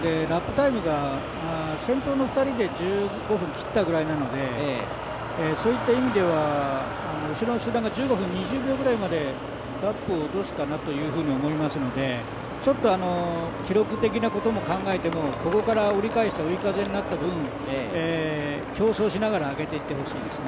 ラップタイムが先頭の２人で１５分切ったぐらいなのでそういった意味では後ろの集団が１５分２０秒ぐらいまでラップを落とすかなと思いますので、記録的なことを考えてもここから折り返して追い風になった分、競争しながら、上げていってほしいですね。